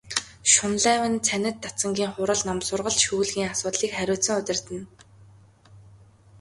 Шунлайв нь цанид дацангийн хурал ном, сургалт шүүлгийн асуудлыг хариуцан удирдана.